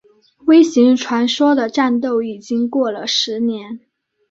微型传说的战斗已经过了十年。